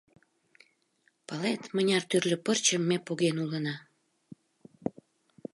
Палет, мыняр тӱрлӧ пырчым ме поген улына!